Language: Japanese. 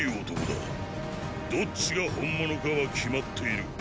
どっちが本物かは決まっている。